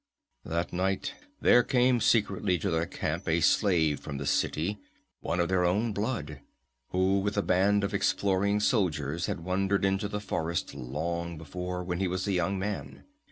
"That night there came secretly to their camp a slave from the city, one of their own blood, who with a band of exploring soldiers had wandered into the forest long before, when he was a young man.